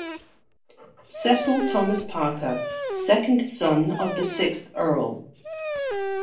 Cecil Thomas Parker, second son of the sixth Earl.